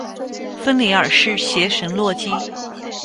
芬里尔是邪神洛基。